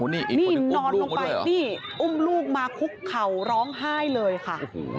นี่นอนลงไปนี่อุ้มลูกมาคุกเข่าร้องไห้เลยค่ะ